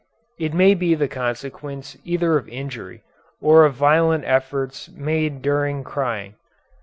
It may be the consequence either of injury or of violent efforts made during crying.